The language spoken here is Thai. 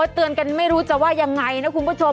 เตือนกันไม่รู้จะว่ายังไงนะคุณผู้ชม